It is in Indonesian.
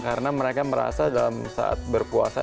karena mereka merasa dalam saat berpuasa